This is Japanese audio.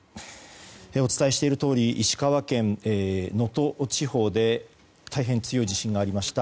お伝えしているとおり石川県能登地方で大変強い地震がありました。